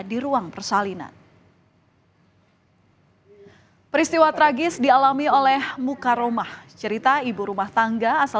di ruang persalinan peristiwa tragis dialami oleh mukaromah cerita ibu rumah tangga asal